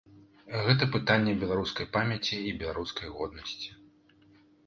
Гэта пытанне беларускай памяці і беларускай годнасці.